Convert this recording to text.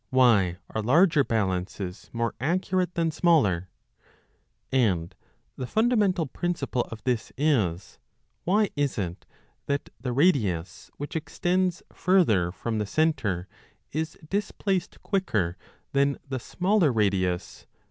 Why are larger balances more accurate than smaller ? And the fundamental principle of this is, why is it that the radius which extends further from MECHANICA the centre is displaced quicker than the smaller radius